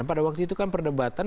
pada waktu itu kan perdebatan